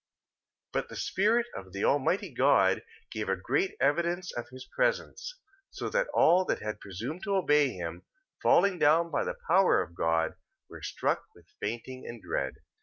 3:24. But the spirit of the Almighty God gave a great evidence of his presence, so that all that had presumed to obey him, falling down by the power of God, were struck with fainting and dread.